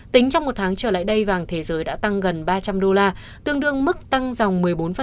tính trong một tháng trở lại đây vàng thế giới đã tăng gần ba trăm linh đô la tương đương mức tăng dòng một mươi bốn